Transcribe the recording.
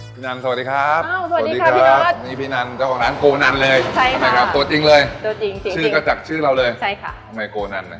พี่นันสวัสดีครับนี่พี่นันเจ้าของน้านโกนันเลยตัวจริงเลยชื่อก็จากชื่อเราเลยทำไมโกนัน